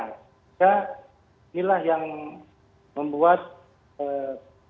nah inilah yang membuat hmm